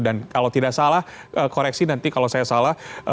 dan kalau tidak salah koreksi nanti kalau saya salah